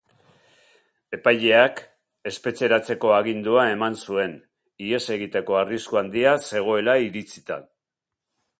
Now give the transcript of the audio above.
Epaileak espetxeratzeko agindua eman zuen, ihes egiteko arrisku handia zegoela iritzita.